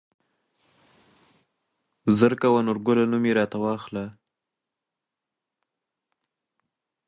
زر کوه نورګله نوم يې راته واخله.